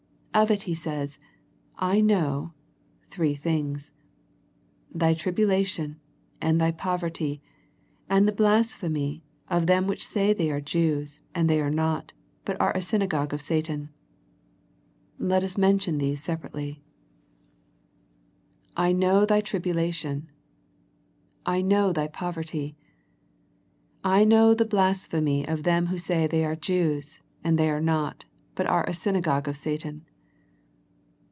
Of it he savs, " I know "— three things. " Thv tribulation, and thy ooverty, and the blasphemy of them which say they are Jews, and they are not, but are a synagogue of Satan." Let us mention these separately. " I 6o A First Century Message know thy tribulation." " I know thy poverty." " I know the blasphemy of them which say they are Jews and they are not, but are a synagogue of Satan."